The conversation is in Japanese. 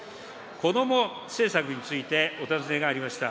子ども政策についてお尋ねがありました。